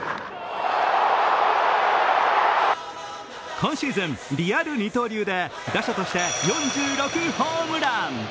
今シーズン、リアル二刀流で打者として４６ホームラン。